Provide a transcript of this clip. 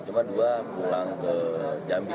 cuma dua pulang ke jambi